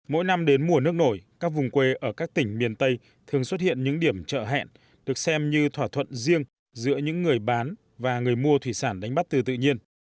mỗi năm đến mùa nước nổi các vùng quê ở các tỉnh miền tây thường xuất hiện những điểm chợ hẹn được xem như thỏa thuận riêng giữa những người bán và người mua thủy sản đánh bắt từ tự nhiên